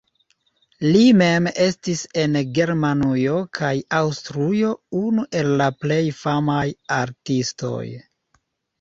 Li mem estis en Germanujo kaj Aŭstrujo unu el la plej famaj artistoj.